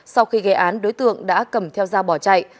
sau khi gây án đối tượng đã cầm theo dao bỏ chạy